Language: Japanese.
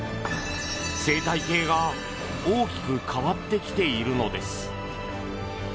生態系が大きく変わってきているのです。